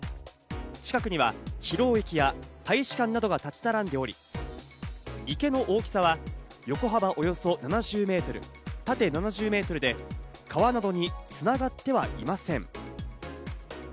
近くには広尾駅や大使館などが立ち並んでおり、池の大きさは横幅およそ７０メートル、縦７０メートルで、川などに繋がってはいません。